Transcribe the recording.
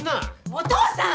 お父さん！